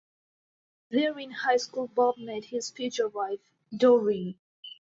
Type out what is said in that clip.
There in high school Bob met his future wife, Dorie.